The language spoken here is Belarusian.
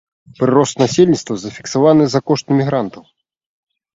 Прырост насельніцтва зафіксаваны за кошт мігрантаў.